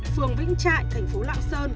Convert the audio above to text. phường vĩnh trại thành phố lạng sơn